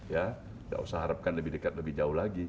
ya tidak usah harapkan lebih dekat lebih jauh lagi